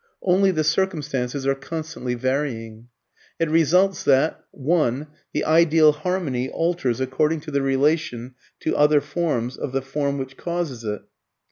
Only the circumstances are constantly varying. It results that: (1) The ideal harmony alters according to the relation to other forms of the form which causes it.